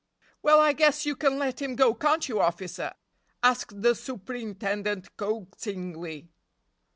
"Well, I guess you can let him go, can't you, officer?" asked the superintendent coaxingly.